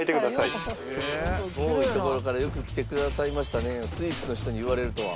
「遠い所からよく来てくださいましたね」をスイスの人に言われるとは。